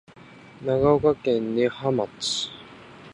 長野県根羽村